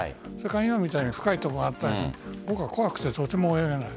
今みたいに深いところがあったら僕は怖くて、とても泳げない。